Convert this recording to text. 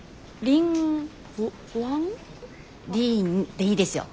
林でいいですよ。